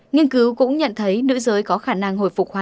nghiên cứu cũng nhận thấy nữ giới có khả năng tăng tăng sức khỏe